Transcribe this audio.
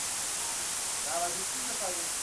مرارت